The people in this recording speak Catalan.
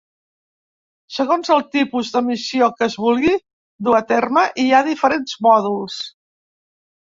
Segons el tipus de missió que es vulgui dur a terme hi ha diferents mòduls.